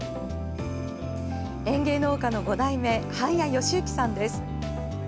園芸農家の５代目、半谷善之さんです。